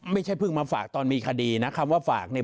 ไม่ใช่เพิ่งมาฝากตอนมีคดีนะคำว่าฝากเนี่ย